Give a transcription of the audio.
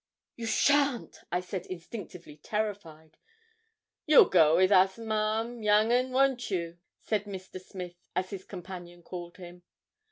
'You shan't,' I said, instinctively terrified. 'You'll go with Ma'am, young 'un, won't you?' said Mr. Smith, as his companion called him.